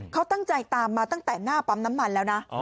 เขาตั้งใจตามมาตั้งแต่หน้าปั๊มน้ำมันแล้วนะ